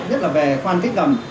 nhất là về khoan kích gầm